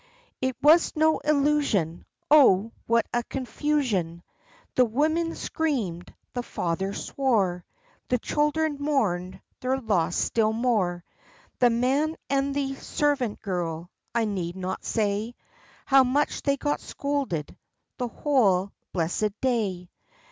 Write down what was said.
It was no illusion. O, what a confusion! The woman screamed, the farmer swore; The children mourned their loss still more; The man and the servanhgirl, I need not say How much they got scolded the whole blessed day.